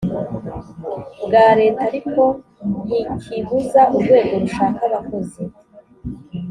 bwa leta ariko ntikibuza urwego rushaka abakozi